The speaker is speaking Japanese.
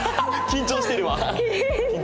緊張してるわ。